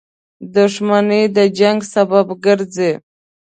• دښمني د جنګ سبب ګرځي.